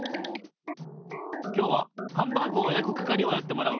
今日はハンバーグをやくかかりをやってもらう。